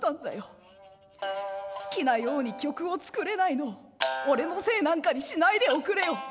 『好きなように曲を作れないのを俺のせいなんかにしないでおくれよ。